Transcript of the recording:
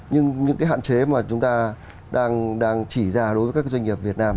nhưng những cái hạn chế mà chúng ta đang chỉ ra đối với các doanh nghiệp việt nam